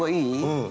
うん。